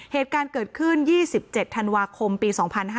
เหตุการณ์เกิดขึ้น๒๗ธันวาคมปี๒๕๕๙